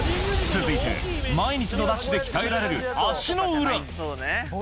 続いて、毎日のダッシュで鍛えられる足の裏。